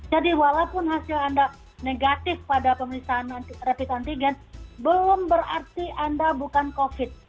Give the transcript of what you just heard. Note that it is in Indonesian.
jadi walaupun hasil anda negatif pada pemisahan rapid antigen belum berarti anda bukan covid